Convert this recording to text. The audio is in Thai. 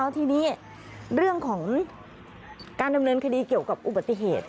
ทีนี้เรื่องของการดำเนินคดีเกี่ยวกับอุบัติเหตุ